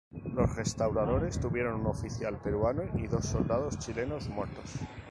Los restauradores tuvieron un oficial peruano y dos soldados chilenos muertos.